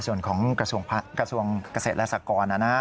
ส่วนของกระทรวงเกษตรและสากร